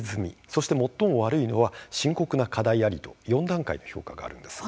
そして最も悪いのは深刻な課題ありと４段階の評価があるんです。